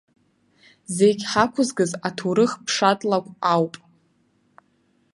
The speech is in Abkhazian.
Зегь ҳақәызгаз аҭоурых ԥшатлакә ауп.